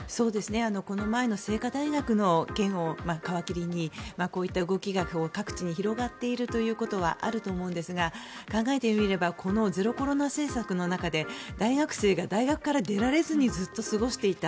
この前の清華大学の件を皮切りにこういった動きが各地に広がっているということはあると思うんですが考えてみればこのゼロコロナ政策の中で大学生が大学から出られずにずっと過ごしていた。